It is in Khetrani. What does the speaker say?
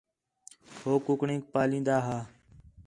ہو کُکڑینک پَلین٘دا ہا